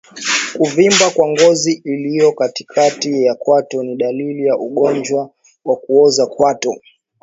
Kuvimba kwa ngozi iliyo katikati ya kwato ni dalili ya ugonjwa wa kuoza kwato